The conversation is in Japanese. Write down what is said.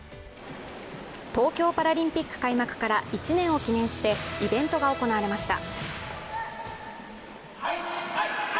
東京パラリンピック開幕から１年を記念してイベントが行われました。